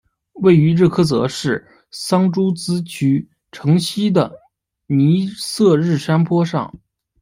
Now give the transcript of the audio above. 位于日喀则市桑珠孜区城西的尼色日山坡上。